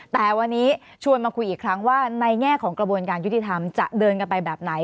แต่วันนี้ชวนมาคุยอีกครั้งว่าในแง่ของกระบวนการยุติธรรมจะเดินกันไปแบบไหน